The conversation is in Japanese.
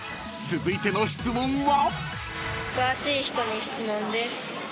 続いての質問は］